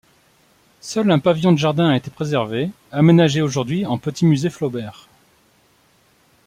Seul un pavillon de jardin a été préservé, aménagé aujourd'hui en petit musée Flaubert.